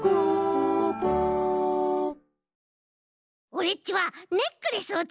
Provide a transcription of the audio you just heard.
オレっちはネックレスをつくるぞ。